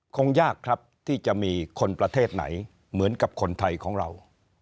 คงยากครับที่จะมีคนประเทศไหนเหมือนกับคนไทยของเรา